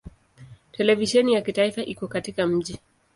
Televisheni ya kitaifa iko katika mji.